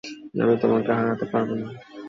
আমি তোমাকে হারাতে পারবো না।